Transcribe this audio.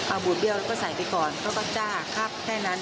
เอาบูดเบี้ยแล้วก็ใส่ไปก่อนเขาก็จ้าครับแค่นั้น